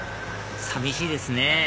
寂しいですね